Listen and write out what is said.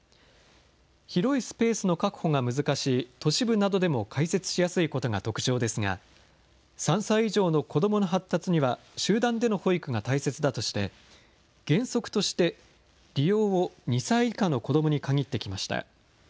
広いスペースの確保が難しい都市部などでも開設しやすいことが特徴ですが、３歳以上の子どもの発達には集団での保育が大切だとして、原則として利用を２歳以下の子どもに限ってきました。